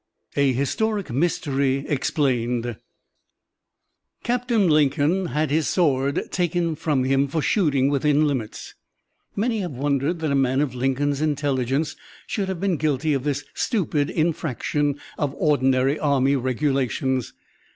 '" A HISTORIC MYSTERY EXPLAINED Captain Lincoln had his sword taken from him for shooting within limits. Many have wondered that a man of Lincoln's intelligence should have been guilty of this stupid infraction of ordinary army regulations.